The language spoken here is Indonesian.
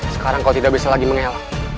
sekarang kau tidak bisa lagi mengelak